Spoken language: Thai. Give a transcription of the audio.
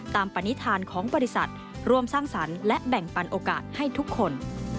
ปณิธานของบริษัทร่วมสร้างสรรค์และแบ่งปันโอกาสให้ทุกคน